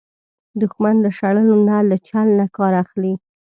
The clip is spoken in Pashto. دښمن له شړلو نه، له چل نه کار اخلي